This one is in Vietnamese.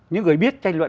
những người biết tranh luận